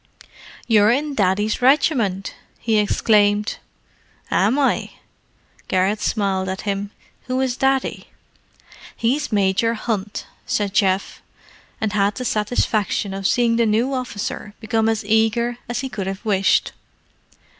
"You're in Daddy's regiment!" he exclaimed. "Am I?" Garrett smiled at him. "Who is Daddy?" "He's Major Hunt," said Geoff; and had the satisfaction of seeing the new officer become as eager as he could have wished.